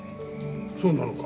そうなのか？